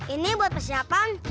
ini buat persiapan